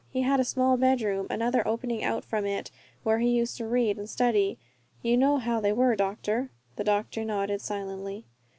He had a small bedroom, and another opening out from it, where he used to read and study. You know how they were, doctor!" The doctor nodded silently.